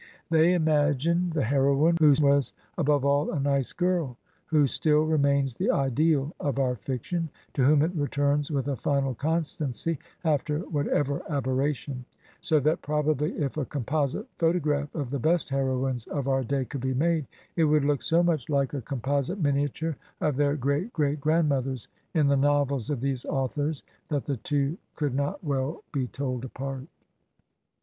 They imagined the heroine who was above all a Nice Girl; who still re mains the ideal of our fiction ; to whom it returns with a final constancy, after whatever aberration; so that probably if a composite photograph of the best heroines of our day could be made, it would look so much like a composite miniature of their great great grandmothers in the novels of these authors that the two could not well be told apart.